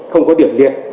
không có điểm liệt